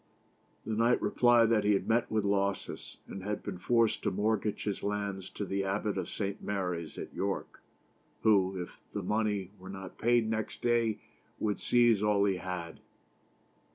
The knight replied that he had met with losses, and had been forced to mortgage his lands to the Abbot of St. Mary's at York, who, if the money were not paid next day, would seize all he had.